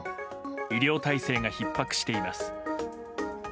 医療体制がひっ迫しています。